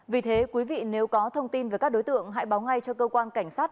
vì thế quý vị nếu có thông tin về các đối tượng hãy báo ngay cho cơ quan cảnh sát